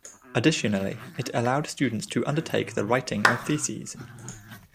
Additionally, it allowed students to undertake the writing of theses.